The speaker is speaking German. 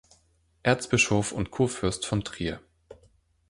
Erzbischof und Kurfürst von Trier.